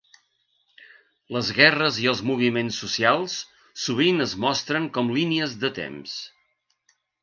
Les guerres i els moviments socials sovint es mostren com línies de temps.